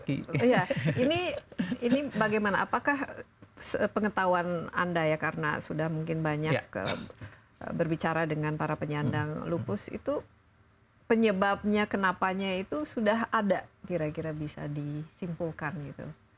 iya ini bagaimana apakah pengetahuan anda ya karena sudah mungkin banyak berbicara dengan para penyandang lupus itu penyebabnya kenapanya itu sudah ada kira kira bisa disimpulkan gitu